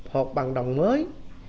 hộp bằng đồng mới